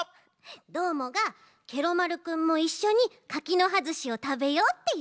どーもが「ケロ丸くんもいっしょに柿の葉ずしをたべよ」っていってるち。